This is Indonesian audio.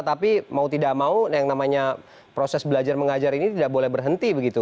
tapi mau tidak mau yang namanya proses belajar mengajar ini tidak boleh berhenti begitu